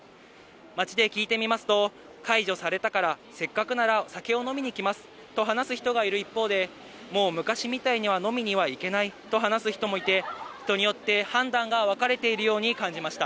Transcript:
街で聞いてみますと、解除されたから、せっかくならお酒を飲みに行きますと話す人もいる一方で、もう昔みたいには飲みには行けないと話す人もいて、人によって判断が分かれているように感じました。